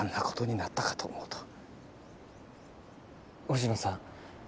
星野さん。